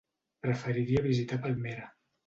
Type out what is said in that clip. Preferiria visitar Palmera.